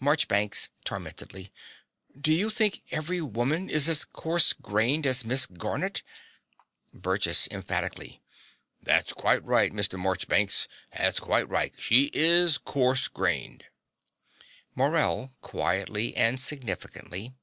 MARCHBANKS (tormentedly). Do you think every woman is as coarse grained as Miss Garnett? BURGESS (emphatically). That's quite right, Mr. Morchbanks. That's quite right. She IS corse grained. MORELL (quietly and significantly).